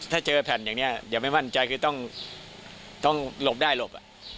ถ้าเจอแผ่นอย่างนี้อย่าไม่มั่นใจคือต้องหลบได้หลบ